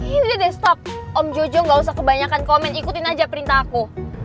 ini deh stop om jojo gak usah kebanyakan komen ikutin aja perintah aku